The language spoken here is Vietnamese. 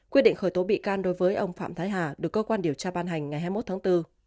quyết định khởi tố bị can đối với ông phạm thái hà được cơ quan điều tra ban hành ngày hai mươi một tháng bốn